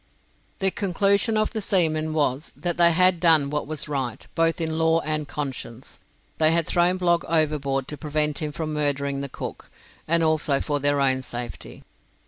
The conclusion of the seamen was, that they had done what was right, both in law and conscience. They had thrown Blogg overboard to prevent him from murdering the cook, and also for their own safety.